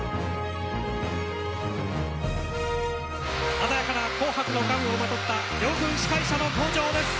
・鮮やかな紅白のガウンをまとった両軍司会者の登場です。